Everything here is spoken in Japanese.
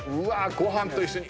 ご飯と一緒に。